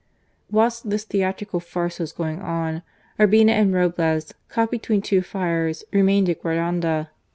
Whilst this theatrical farce was going on, Urbina and Roblez, caught between two fires, remained at Guaranda.